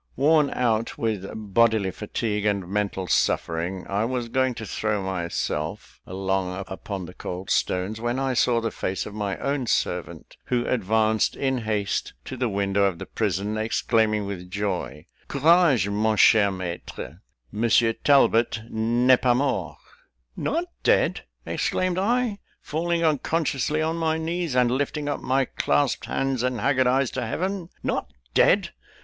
Worn out with bodily fatigue and mental suffering, I was going to throw myself along upon the cold stones, when I saw the face of my own servant, who advanced in haste to the window of the prison, exclaiming with joy "Courage, mon cher maître; Monsieur Talbot n'est pas mort." "Not dead!" exclaimed I (falling unconsciously on my knees, and lifting up my clasped hands and haggard eyes to Heaven): "not dead!